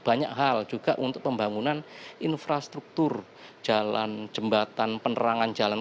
banyak hal juga untuk pembangunan infrastruktur jalan jembatan penerangan jalan